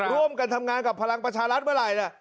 ร่วมกันทำงานกับพลังประชารัฐเมื่อไหร่